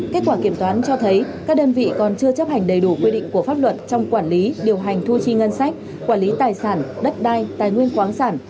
kết quả kiểm toán cho thấy các đơn vị còn chưa chấp hành đầy đủ quy định của pháp luật trong quản lý điều hành thu chi ngân sách quản lý tài sản đất đai tài nguyên khoáng sản